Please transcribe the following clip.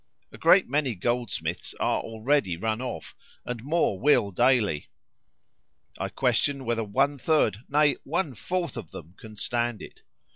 A great many goldsmiths are already run off, and more will daily. I question whether one third, nay, one fourth of them can stand it.